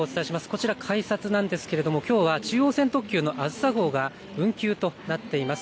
こちら改札なんですがきょうは中央線特急のあずさ号が運休となっています。